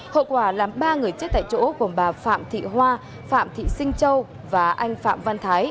hậu quả làm ba người chết tại chỗ gồm bà phạm thị hoa phạm thị sinh châu và anh phạm văn thái